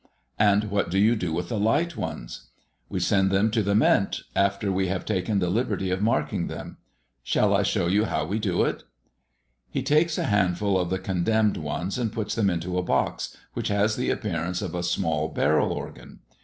"And what do you do with the light ones?" "We send them to the Mint after we have taken the liberty of marking them. Shall I show you how we do it?" He takes a handful of the condemned ones, and puts them into a box, which has the appearance of a small barrel organ.